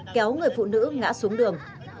kéo người phụ nữ ngã xuống đường